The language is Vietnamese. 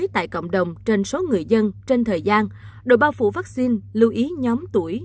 tại cộng đồng trên số người dân trên thời gian đội bao phủ vaccine lưu ý nhóm tuổi